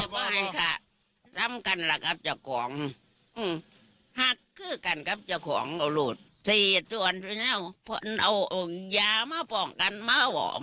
พระพระพระพระพระพระเลยครับ